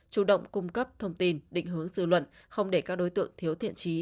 chủ động cung cấp thông tin định hướng dư luận không để các đối tượng thiếu thiện trí